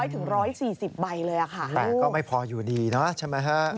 แต่ก็ไม่พออยู่ดีนะใช่ไหมครับ